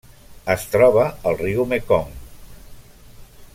Es troba al riu Mekong: